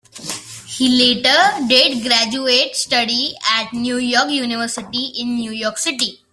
He later did graduate study at New York University in New York City.